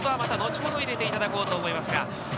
リポートはまた後ほど入れていただこうと思います。